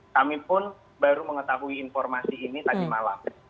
kami pun baru mengetahui informasi ini tadi malam